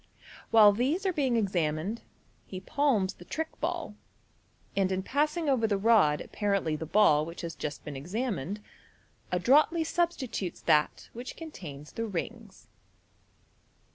While these are being examined, he palms the trick ball, and in passing over the rod appa rently the ball which has just been examined, adroitly substitutes that which contains the rings.